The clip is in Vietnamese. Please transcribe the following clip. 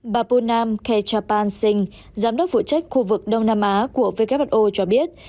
bà poonam kechapan singh giám đốc vụ trách khu vực đông nam á của who cho biết